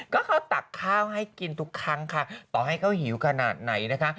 ก็เขาตักข้าวให้กินทุกครั้งค่ะต่อให้เขาหิวขนาดไหนนะคะ